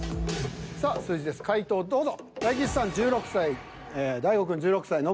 さあ数字です解答をどうぞ。